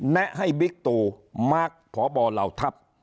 แนะให้บิ๊กตูมาร์คพบเหล่าทัพ